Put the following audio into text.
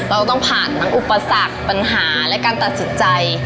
เราต้องผ่านทั้งอุปสรรคปัญหาและการตัดสินใจ